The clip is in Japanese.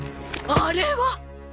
あれは！